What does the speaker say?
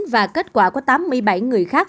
và kết quả có tám mươi bảy người khác